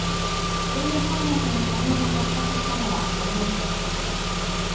政務三役の署名が発覚したのは初めてです。